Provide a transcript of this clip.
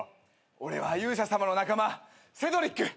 俺は勇者さまの仲間セドリック。